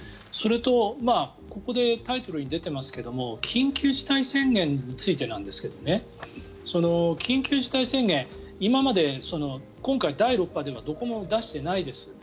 それと、ここでタイトルに出てますけど緊急事態宣言についてなんですが緊急事態宣言は今回、第６波ではどこも出していないです。